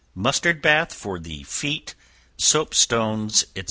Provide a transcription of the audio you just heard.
Mustard Bath for the Feet Soap Stones, &c.